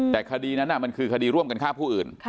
แต่คดีนั้นมันคือคดีร่วมกันฆ่าผู้อื่น